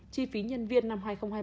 chi phí nhân viên năm hai nghìn hai mươi